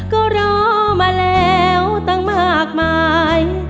ก็รอมาแล้วตั้งมากมาย